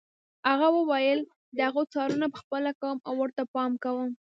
هغه وویل زه د هغو څارنه پخپله کوم او ورته پام کوم.